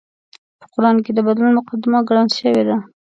په قران کې د بدلون مقدمه ګڼل شوې ده